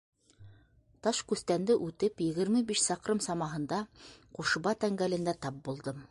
— Ташкүстәнде үтеп егерме биш саҡрым самаһында, Ҡушуба тәңгәлендә тап булдым.